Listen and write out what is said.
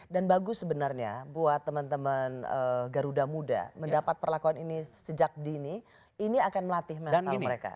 dan bagus sebenarnya buat teman teman garuda muda mendapat perlakuan ini sejak dini ini akan melatih menangkal mereka